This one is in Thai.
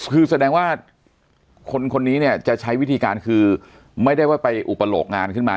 คือแสดงว่าคนคนนี้เนี่ยจะใช้วิธีการคือไม่ได้ว่าไปอุปโลกงานขึ้นมา